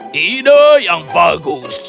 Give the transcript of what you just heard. tidak yang bagus